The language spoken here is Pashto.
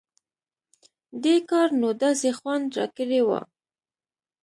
دې کار نو داسې خوند راکړى و.